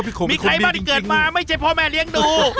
มีใครบ้างที่เกิดมาไม่ใช่พ่อแม่เลี้ยงดู